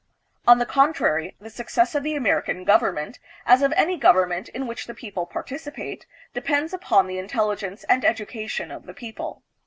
On the contrary, the success of the American government, as of any government in which the people participate, depends upon the intelli gence and education of the people.